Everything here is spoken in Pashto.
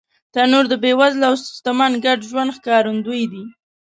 تنور د بېوزله او شتمن ګډ ژوند ښکارندوی دی